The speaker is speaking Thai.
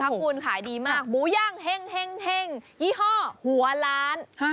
หมูย่างเฮ้งโหวะร้าน